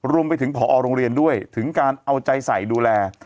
รวมไปถึงผอโรงเรียนด้วยถึงการเอาใจใส่ดูแล